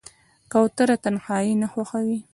کوتره تنهایي نه خوښوي.